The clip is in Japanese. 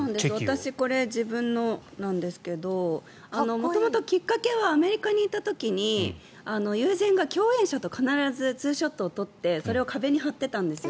私これ、自分のなんですけど元々、きっかけはアメリカにいた時に友人が共演者と必ずツーショットを撮ってそれを壁に貼ってたんですよ。